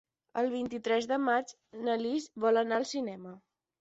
El vint-i-tres de maig na Lis vol anar al cinema.